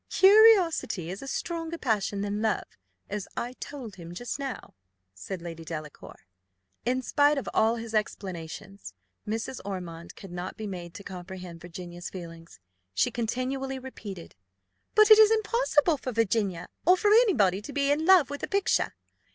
"Curiosity is a stronger passion than love, as I told him just now," said Lady Delacour. In spite of all his explanations, Mrs. Ormond could not be made to comprehend Virginia's feelings. She continually repeated, "But it is impossible for Virginia, or for any body, to be in love with a picture."